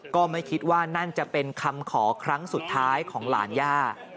ก็ไม่คิดว่านั่นจะเป็นคำขอครั้งสุดท้ายของหลานย่า